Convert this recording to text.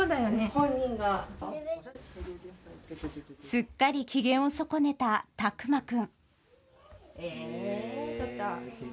すっかり機嫌を損ねた、巧眞君。